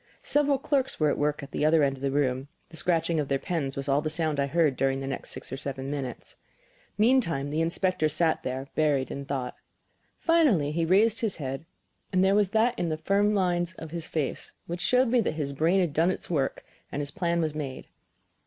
Several clerks were at work at the other end of the room; the scratching of their pens was all the sound I heard during the next six or seven minutes. Meantime the inspector sat there, buried in thought. Finally he raised his head, and there was that in the firm lines of his face which showed me that his brain had done its work and his plan was made.